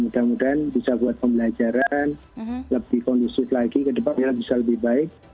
mudah mudahan bisa buat pembelajaran lebih kondusif lagi ke depannya bisa lebih baik